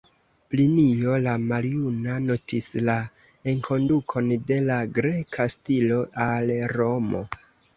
Plinio la maljuna notis la enkondukon de la greka stilo al Romo.